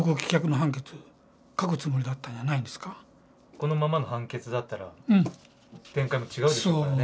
このままの判決だったら展開も違うでしょうからね。